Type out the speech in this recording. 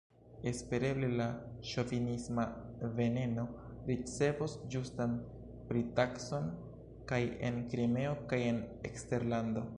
Espereble la ŝovinisma veneno ricevos ĝustan pritakson kaj en Krimeo kaj en eksterlando.